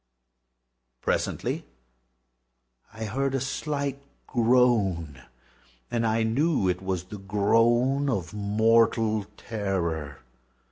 Presently I heard a slight groan, and I knew it was the groan of mortal terror.